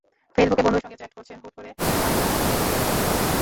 ফেসবুকে বন্ধুর সঙ্গে চ্যাট করছেন, হুট করে আপনার কাছে একটি লিংক এল।